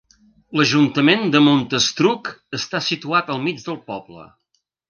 L'Ajuntament de Montastruc està situat al mig del poble.